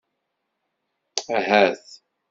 Ahat.